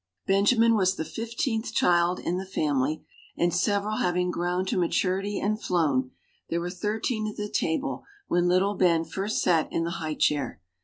Benjamin was the fifteenth child in the family; and several having grown to maturity and flown, there were thirteen at the table when little Ben first sat in the high chair.